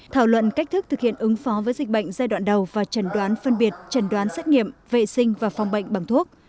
thảo luận cách thức thực hiện ứng phó với dịch bệnh giai đoạn đầu và trần đoán phân biệt trần đoán xét nghiệm vệ sinh và phòng bệnh bằng thuốc